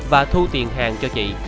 và thu tiền hàng cho chị